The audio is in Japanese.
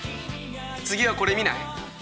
次はこれ見ない？